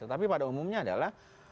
tetapi pada umumnya adalah